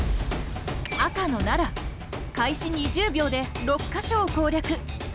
赤の奈良開始２０秒で６か所を攻略。